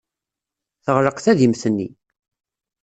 Teɣleq tadimt-nni.